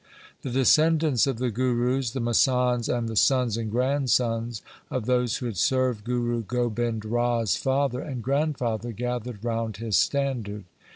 The descendants of the Gurus, the masands, and the sons and grandsons of those who had served Guru Gobind Rai's father and grandfather gathered round his standard.